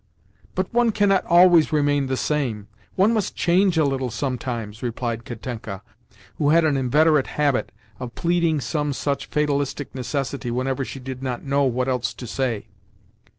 "But one cannot always remain the same—one must change a little sometimes," replied Katenka, who had an inveterate habit of pleading some such fatalistic necessity whenever she did not know what else to say.